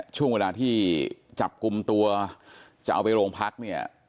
ช่วงเวลาที่จับกลุ่มตัวจะเอาไปโรงพักเนี่ย